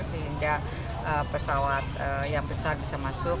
sehingga pesawat yang besar bisa masuk